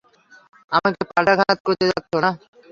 আমাকে পাল্টাঘাত করতে যাচ্ছো, না?